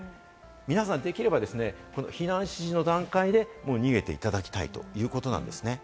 皆さんできればこの避難指示のときに逃げていただきたいということなんですね。